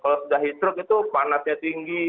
kalau sudah heat stroke itu panasnya tinggi